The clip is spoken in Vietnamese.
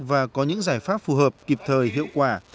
và có những giải pháp phù hợp kịp thời hiệu quả